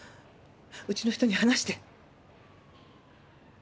うちの人に話して。